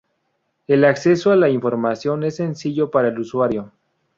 El acceso a la información es sencillo para el usuario.